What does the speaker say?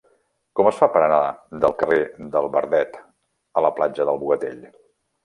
Com es fa per anar del carrer del Verdet a la platja del Bogatell?